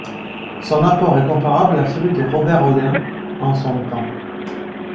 Son apport est comparable à celui de Robert-Houdin en son temps.